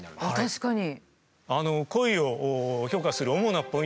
確かに。